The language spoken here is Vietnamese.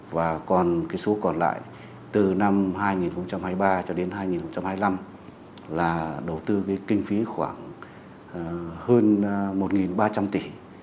và còn số còn lại từ năm hai nghìn hai mươi ba cho đến hai nghìn hai mươi năm là đầu tư kinh phí khoảng hơn một ba trăm linh tỷ